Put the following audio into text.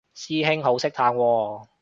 師兄好識嘆喎